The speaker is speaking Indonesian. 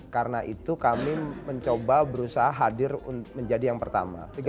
karena itu kami mencoba berusaha hadir menjadi yang pertama